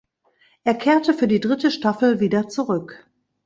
Er kehrte für die dritte Staffel wieder zurück.